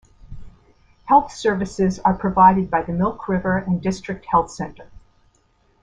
Health services are provided by the Milk River and District Health Centre.